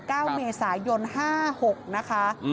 วัน๙เมษายน๕๖นะคะ